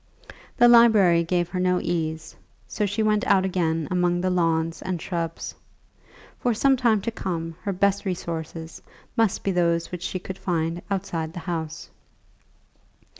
The library gave her no ease, so she went out again among the lawns and shrubs. For some time to come her best resources must be those which she could find outside the house.